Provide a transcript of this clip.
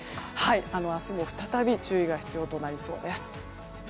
明日も再び注意が必要となりそうです。